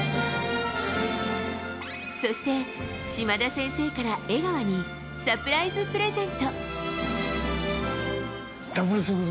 そして、嶋田先生から江川にサプライズプレゼント。